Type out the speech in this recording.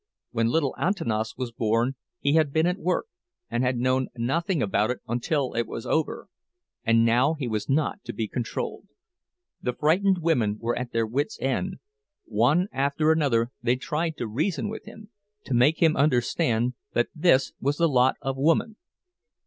When little Antanas was born he had been at work, and had known nothing about it until it was over; and now he was not to be controlled. The frightened women were at their wits' end; one after another they tried to reason with him, to make him understand that this was the lot of woman.